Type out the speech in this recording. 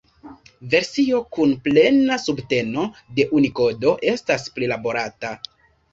Versio kun plena subteno de Unikodo estas prilaborata.